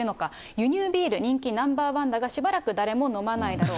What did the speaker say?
輸入ビール人気ナンバー１だがしばらく誰も飲まないだろう。